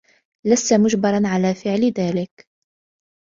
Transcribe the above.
لست مجبرا على فعل ذلك.